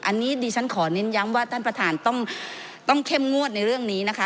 อันนี้ดิฉันขอเน้นย้ำว่าท่านประธานต้องเข้มงวดในเรื่องนี้นะคะ